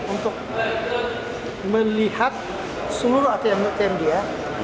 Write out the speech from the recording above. untuk melihat seluruh atm atm dia